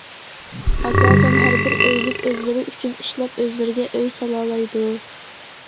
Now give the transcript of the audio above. ئاساسەن ھەر بىر ئۆيلۈك ئۆزلىرى ئۈچۈن ئىشلەپ، ئۆزلىرىگە ئۆي سالالايدۇ.